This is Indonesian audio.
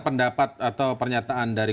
pendapat atau pernyataan dari